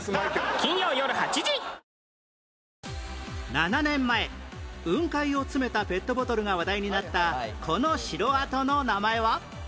７年前雲海を詰めたペットボトルが話題になったこの城跡の名前は？